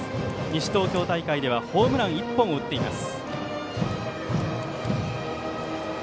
西東京大会ではホームランを１本打っています。